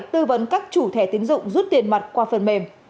tư vấn các chủ thẻ tiến dụng rút tiền mặt qua phần mềm